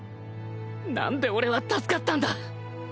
何で俺は助かったんだ！？